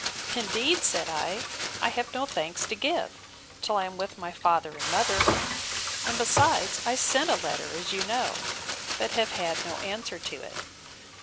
Indeed, said I, I have no thanks to give, till I am with my father and mother: and besides, I sent a letter, as you know; but have had no answer to it.